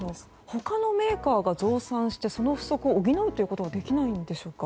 他のメーカーが増産してその不足を補うことはできないんですか？